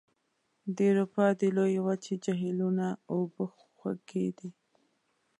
د اروپا د لویې وچې جهیلونو اوبه خوږې دي.